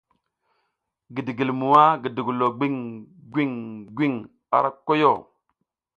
Gidigilmwa gidigilo gwiŋ gwiŋ gwiŋ a ra koyo.